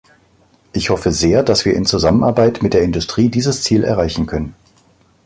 Ich hoffe sehr, dass wir in Zusammenarbeit mit der Industrie dieses Ziel erreichen können.